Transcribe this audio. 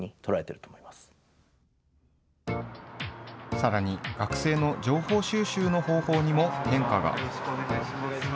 さらに、学生の情報収集の方法にも変化が。